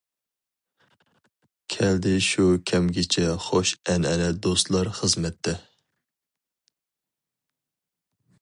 كەلدى شۇ كەمگىچە خوش ئەنئەنە دوستلار خىزمەتتە.